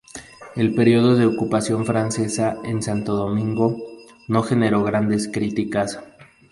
El periodo de ocupación francesa en Santo Domingo, no generó grandes críticas.